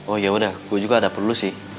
oh ya udah gue juga ada perlu sih